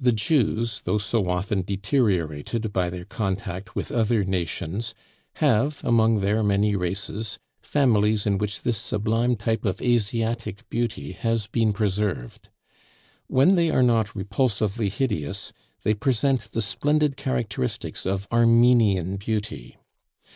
The Jews, though so often deteriorated by their contact with other nations, have, among their many races, families in which this sublime type of Asiatic beauty has been preserved. When they are not repulsively hideous, they present the splendid characteristics of Armenian beauty.